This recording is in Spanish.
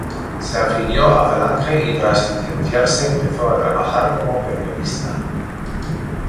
Se afilió a Falange y tras licenciarse empezó a trabajar como periodista.